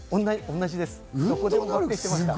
同じです。